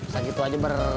satu satu kenapa bang